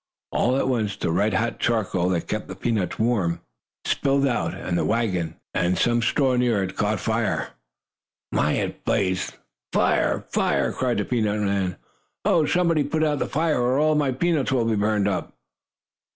All at once the red hot charcoal that kept the peanuts warm, spilled out, and the wagon, and some straw near it, caught fire. My, how it blazed! "Fire! Fire!" cried the peanut man. "Oh, somebody put out the fire, or all my peanuts will be burned up!"